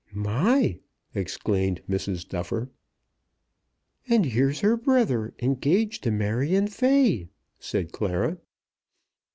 "My!" exclaimed Mrs. Duffer. "And here's her brother engaged to Marion Fay," said Clara.